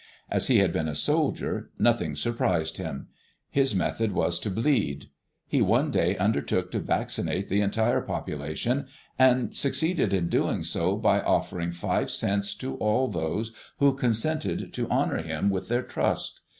As he had been a soldier, nothing surprised him. His method was to bleed. He one day undertook to vaccinate the entire population, and succeeded in doing so by offering five cents to all those who consented to honor him with their trust.